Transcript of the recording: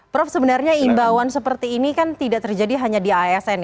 prof sebenarnya imbauan seperti ini kan tidak terjadi hanya di asn